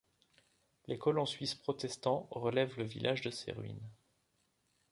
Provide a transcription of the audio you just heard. Les colons suisses protestants relèvent le village de ses ruines.